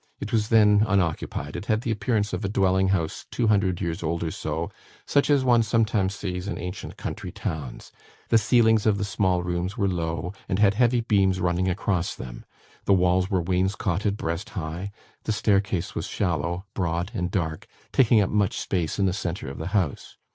It was then unoccupied. It had the appearance of a dwelling house, two hundred years old or so, such as one sometimes sees in ancient country towns; the ceilings of the small rooms were low, and had heavy beams running across them; the walls were wainscotted breast high; the staircase was shallow, broad, and dark, taking up much space in the centre of the house.